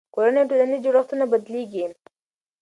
کورنۍ او ټولنیز جوړښتونه بدلېږي.